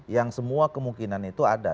yang semua kemungkinan itu ada